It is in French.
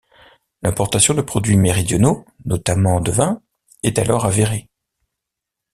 L'importation de produits méridionaux, notamment de vin, est alors avérée.